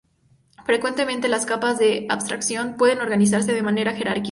Frecuentemente las capas de abstracción pueden organizarse de manera jerárquica.